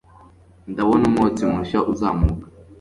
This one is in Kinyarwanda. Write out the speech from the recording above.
Ndabona umwotsi mushya uzamuka